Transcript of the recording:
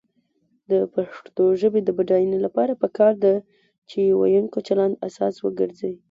د پښتو ژبې د بډاینې لپاره پکار ده چې ویونکو چلند اساس وګرځي.